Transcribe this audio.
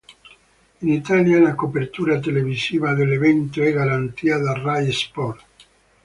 In Italia la copertura televisiva dell'evento è garantita da Rai Sport.